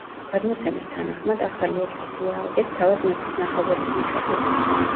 გადმოცემის თანახმად ახალი ეკლესია ააგეს თავად მეფის ნახაზების მიხედვით.